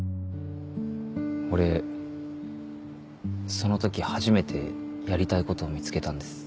俺その時初めてやりたいことを見つけたんです。